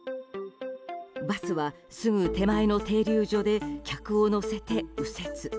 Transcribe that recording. バスはすぐ手前の停留場で客を乗せて右折。